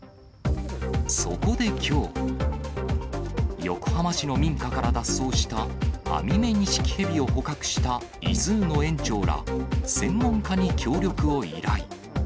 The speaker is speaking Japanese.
そこできょう、横浜市の民家から脱走したアミメニシキヘビを捕獲したイズーの園長ら専門家に協力を依頼。